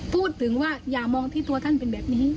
พูดถึงว่าอย่ามองที่ตัวท่านเป็นแบบนี้